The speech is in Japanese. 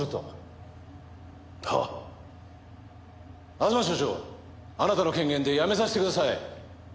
東署長あなたの権限でやめさせてください。